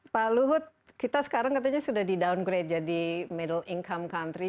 pak luhut kita sekarang katanya sudah di downgrade jadi middle income country